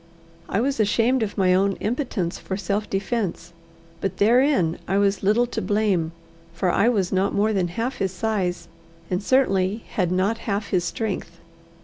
I was ashamed of my own impotence for self defence; but therein I was little to blame, for I was not more than half his size, and certainly had not half his strength.